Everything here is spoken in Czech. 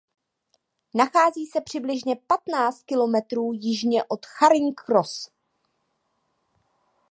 Nachází se přibližně patnáct kilometrů jižně od Charing Cross.